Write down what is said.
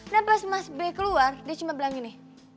nah pas mas b keluar dia cuma bilang gini